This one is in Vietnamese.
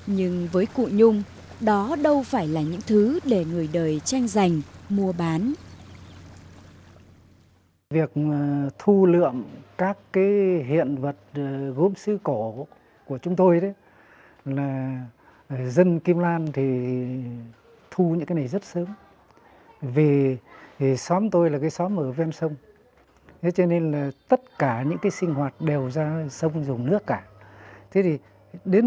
nhưng với cụ nhung đó đâu phải là những thứ để người đời tranh giành mua bán